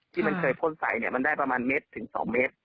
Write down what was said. ที่มันเคยพ่นใสเนี่ยมันได้ประมาณเมตรถึง๒เมตร